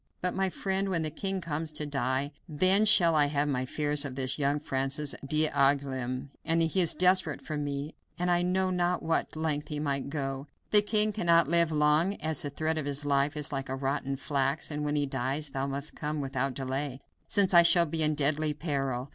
But my friend, when the king comes to die then shall I have my fears of this young Francis d'Angouleme. He is desperate for me, and I know not to what length he might go. The king cannot live long, as the thread of his life is like rotten flax, and when he dies thou must come without delay, since I shall be in deadly peril.